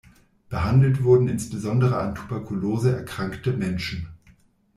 Behandelt wurden insbesondere an Tuberkulose erkrankte Menschen.